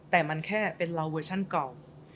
แต่มันแค่เป็นเราเวอร์ชั่นเก่า